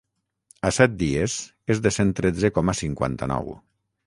A set dies és de cent tretze coma cinquanta-nou.